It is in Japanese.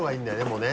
もうね。